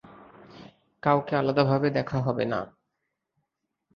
কাওকে আলাদাভাবে দেখা হবেনা।